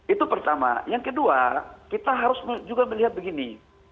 itu pertama yang kedua kita harus juga melihat begini